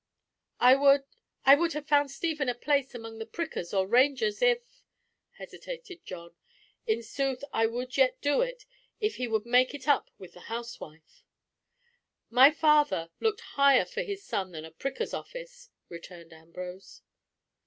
"I would—I would have found Stephen a place among the prickers or rangers, if—" hesitated John. "In sooth, I would yet do it, if he would make it up with the housewife." "My father looked higher for his son than a pricker's office," returned Ambrose.